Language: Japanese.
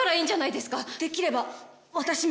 できれば私も。